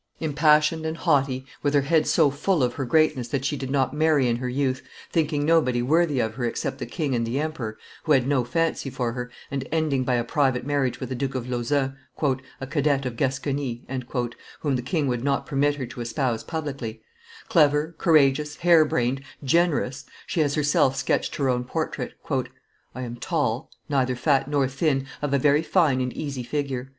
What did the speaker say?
Impassioned and haughty, with her head so full of her greatness that she did not marry in her youth, thinking nobody worthy of her except the king and the emperor, who had no fancy for her, and ending by a private marriage with the Duke of Lauzun, "a cadet of Gascony," whom the king would not permit her to espouse publicly; clever, courageous, hare brained, generous, she has herself sketched her own portrait. "I am tall, neither fat nor thin, of a very fine and easy figure.